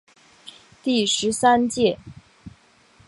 第十三届